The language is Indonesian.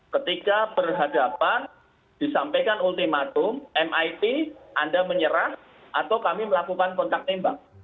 ketika berhadapan disampaikan ultimatum mit anda menyerah atau kami melakukan kontak tembak